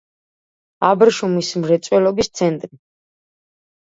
აბრეშუმის მრეწველობის ცენტრი.